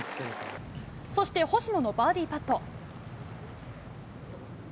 そして星野のバーディーパット。